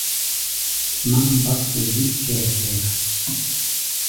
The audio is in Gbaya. Náŋ básko zík kɛr-kɛr.